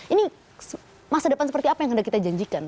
ini masa depan seperti apa yang hendak kita janjikan